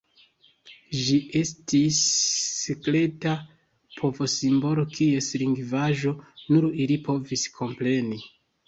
Ĝi estis sekreta povo-simbolo kies lingvaĵo nur ili povis kompreni.